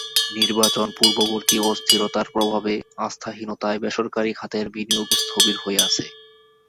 নির্বাচন পূর্ববর্তী অস্থিরতার প্রভাবে আস্থাহীনতায় বেসরকারি খাতের বিনিয়োগ স্থবির হয়ে আছে।